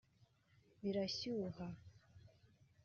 birashyuha